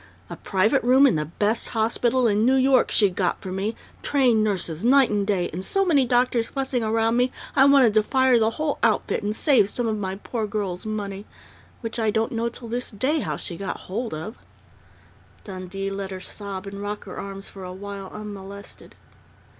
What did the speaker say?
A private room in the best hospital in New York she got for me, trained nurses night and day, and so many doctors fussing around me I wanted to fire the whole outfit and save some of my poor girl's money which I don't know till this day how she got hold of " Dundee let her sob and rock her arms for a while unmolested.